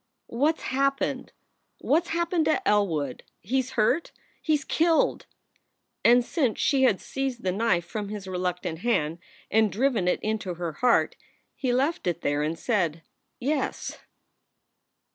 What s happened? What s happened to Elwood? He s hurt. He s killed." And since she had seized the knife from his reluctant hand and driven it into her heart, he left it there and said: "Yes."